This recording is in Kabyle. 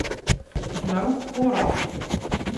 Ttemεukkureɣ.